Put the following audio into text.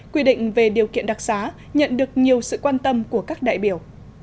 quy định về điều kiện đặc xá nhận được nhiều sự quan tâm của các đại biểu